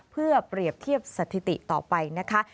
เพื่อเปรียบเทียบสถิติต่อไปนะคะ